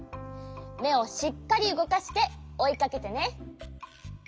めをしっかりうごかしておいかけてね。